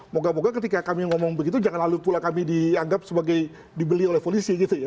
moga moga ketika kami ngomong begitu jangan lalu pula kami dianggap sebagai dibeli oleh polisi gitu ya